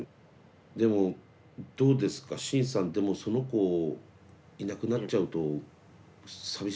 でもどうですかシンさんでもその子いなくなっちゃうと寂しいでしょ？